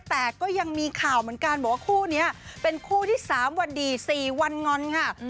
แต่ก็ยังมีข่าวเหมือนกันบอกว่าคู่นี้เป็นคู่ที่๓วันดี๔วันงอนค่ะ